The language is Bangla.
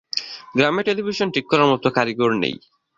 গ্রামে টেলিভিশন ঠিক করার মত কারিগর নেই।